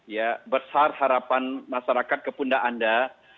ya besar harapan masyarakat kepunda anda